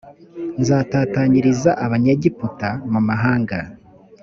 nzatatanyiriza abanyegiputa mu mahanga